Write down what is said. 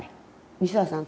「西田さん